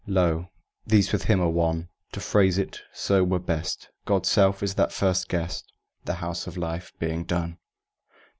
Lo, these with Him are one! To phrase it so were best: God's self is that first Guest, The House of Life being done!